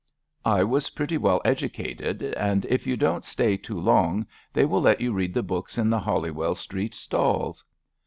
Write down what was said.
I was pretty well educated, and if you don't stay too long they will let you read the books in the Holywell Street stalls."